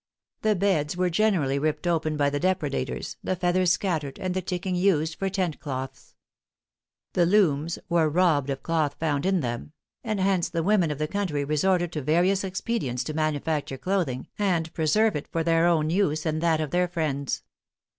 The beds were generally ripped open by the depredators, the feathers scattered, and the ticking used for tent cloths. The looms were robbed of cloth found in them; and hence the women of the country resorted to various expedients to manufacture clothing, and preserve it for their own use and that of their friends.